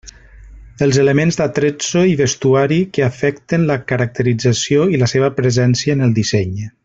Els elements d'attrezzo i vestuari que afecten la caracterització i la seva presència en el disseny.